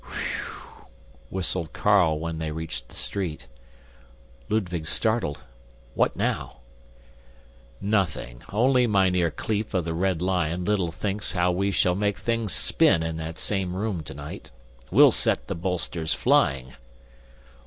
"Whew!" whistled Carl when they reached the street. Ludwig startled. "What now?" "Nothing, only Mynheer Kleef of the Red Lion little thinks how we shall make things spin in that same room tonight. We'll set the bolsters flying!"